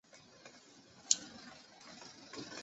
曾任上海豫园书画会会长。